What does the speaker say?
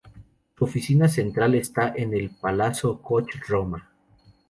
Su oficina central esta en el Palazzo Koch, Roma.